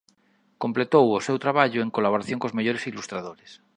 Completou o seu traballo en colaboración cos mellores ilustradores.